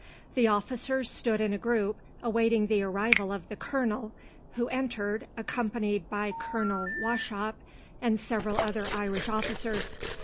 The officers stood in a group, awaiting the arrival of the colonel, who entered, accompanied by Colonel Wauchop and several other Irish officers.